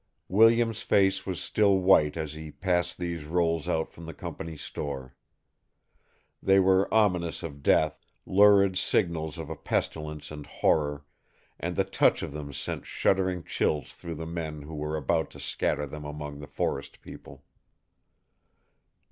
Williams' face was still white as he passed these rolls out from the company's store. They were ominous of death, lurid signals of pestilence and horror, and the touch of them sent shuddering chills through the men who were about to scatter them among the forest people.